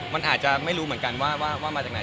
มันอาจจะไม่รู้เหมือนกันว่ามาจากไหน